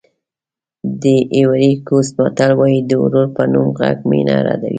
د ایوُري کوسټ متل وایي د ورور په نوم غږ مینه ردوي.